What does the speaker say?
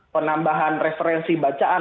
penambahan referensi bacaan